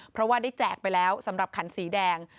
เพราะว่าได้แจกไปแล้วสำหรับขันสีแดง